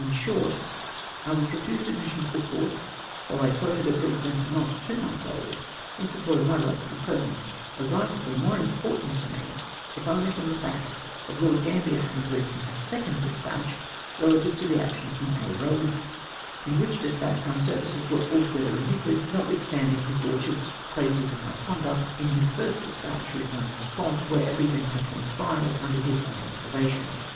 Li short, I Avas refused admission to the Court, though I quoted a precedent not two months old, in support of my right to be present — a right the more important to me if only from the fact of Lord Gambler havmg written a second despatch relative to the action in Aix Eoads, in Avhich despatch my services were altogether omitted, notwithstanding his lordship's praises of my conduct UNDER AN ERRONEOUS IMPUTATION. 89 in his first despatch written on the spot, where every thing had transpired mider his own observation.